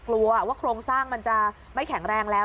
กลัวว่าโครงสร้างมันจะไม่แข็งแรงแล้ว